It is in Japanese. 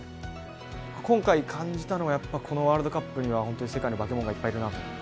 今回、感じたのはこのワールドカップには世界の化け物がいっぱいいるなと。